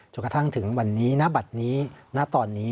กระทั่งถึงวันนี้ณบัตรนี้ณตอนนี้